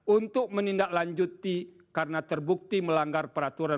untuk menindaklanjuti karena terbukti melanggar peraturan